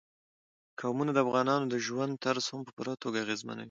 قومونه د افغانانو د ژوند طرز هم په پوره توګه اغېزمنوي.